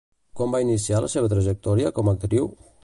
Quan va iniciar la seva trajectòria com a actriu?